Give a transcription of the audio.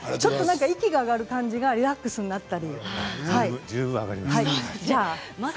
息が上がる感じがリラックスされます。